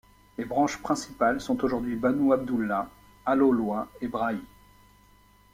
Les branches principales sont aujourd'hui Banu Abdullah, Al-'Olwa, et Braih.